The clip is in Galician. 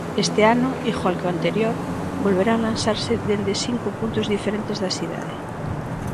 Este ano, igual có anterior, volverán lanzarse dende cinco puntos diferentes da cidade.